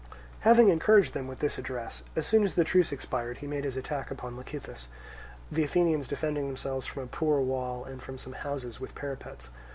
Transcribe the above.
Having encouraged them with this address, as soon as the truce expired he made his attack upon Lecythus; the Athenians defending themselves from a poor wall and from some houses with parapets.